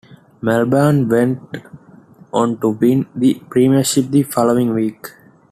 Melbourne went on to win the premiership the following week.